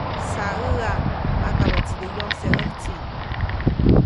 Saʼäʼa, makabäʼtside yojseʼ ʼäjtsi.